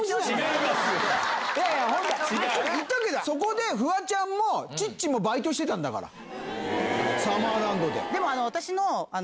言っとくけどそこでフワちゃんもチッチもバイトしてたんだからサマーランドで。